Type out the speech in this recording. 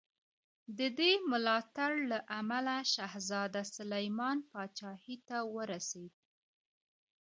د دې ملاتړ له امله شهزاده سلیمان پاچاهي ته ورسېد.